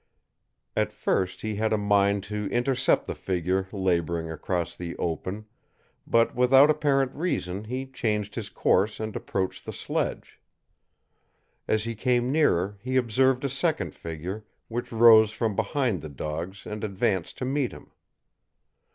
At first he had a mind to intercept the figure laboring across the open, but without apparent reason he changed his course and approached the sledge. As he came nearer, he observed a second figure, which rose from behind the dogs and advanced to meet him.